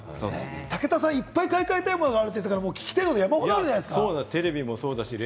武田さん、いっぱい買い替えたいものあるっていってたから、聞きたいこといっぱいあるんじゃないんですか？